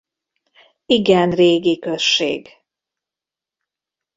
Igen régi község.